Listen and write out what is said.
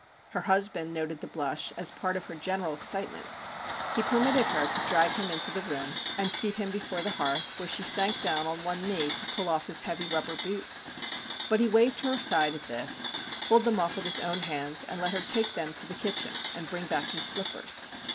Her husband noted the blush as part of her general excitement. He permitted her to drag him into the room and seat him before the hearth, where she sank down on one knee to pull off his heavy rubber boots. But he waved her aside at this, pulled them off with his own hands, and let her take them to the kitchen and bring back his slippers.